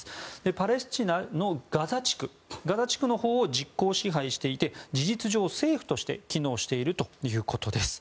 パレスチナのガザ地区のほうを実効支配していて事実上、政府として機能しているということです。